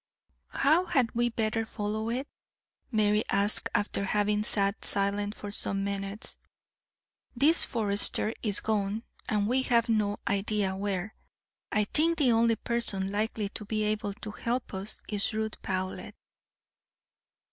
"How had we better follow it?" Mary asked, after having sat silent for some minutes. "This Forester is gone, and we have no idea where. I think the only person likely to be able to help us is Ruth Powlett."